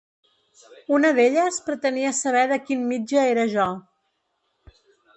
Una d’elles pretenia saber de quin mitja era jo.